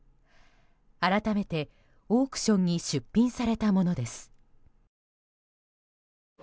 改めて、オークションに出品されたものです。